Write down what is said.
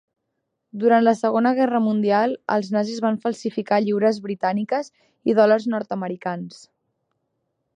Durant la Segona Guerra Mundial, els nazis van falsificar lliures britàniques i dòlars nord-americans.